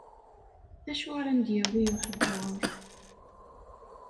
D acu ara m-d-yawi uḥebber?